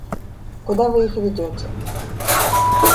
— Куда вы их ведете?